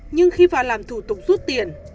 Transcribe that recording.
nhưng khi vào làm thủ tục rút tiền